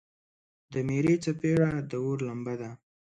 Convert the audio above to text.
د میرې څپیړه د اور لمبه ده.